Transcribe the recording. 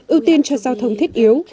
ưu tiên cho giao thông thiết yếu